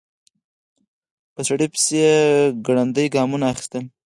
په سړي پسې يې ګړندي ګامونه اخيستل.